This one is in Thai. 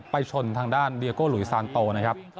ชนทางด้านเดียโก้หลุยซานโตนะครับ